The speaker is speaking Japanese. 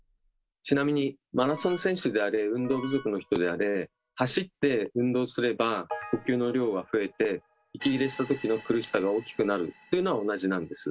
ちなみにマラソン選手であれ運動不足の人であれ走って運動すれば呼吸の量は増えて息切れしたときの苦しさが大きくなるというのは同じなんです。